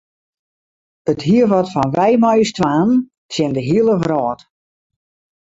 It hie wat fan wy mei ús twaen tsjin de hiele wrâld.